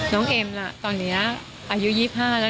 น้องเอมละตอนเนี้ยอายุ๒๕ละนะ